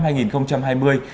không được phát triển